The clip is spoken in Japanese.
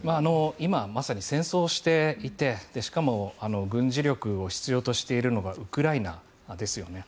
今、まさに戦争していてしかも軍事力を必要としているのがウクライナですよね。